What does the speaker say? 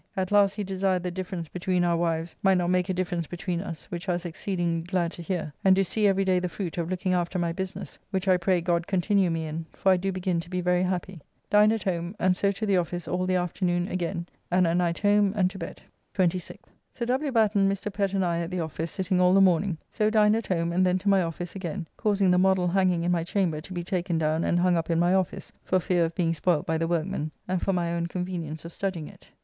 At last he desired the difference between our wives might not make a difference between us, which I was exceedingly glad to hear, and do see every day the fruit of looking after my business, which I pray God continue me in, for I do begin to be very happy. Dined at home, and so to the office all the afternoon again, and at night home and to bed. 26th. Sir W. Batten, Mr. Pett, and I at the office sitting all the morning. So dined at home, and then to my office again, causing the model hanging in my chamber to be taken down and hung up in my office, for fear of being spoilt by the workmen, and for my own convenience of studying it.